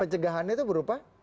pencegahannya itu berupa